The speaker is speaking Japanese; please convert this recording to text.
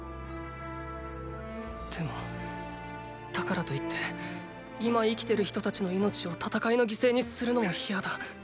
でもだからといって今生きてる人たちの命を戦いの犠牲にするのも嫌だ。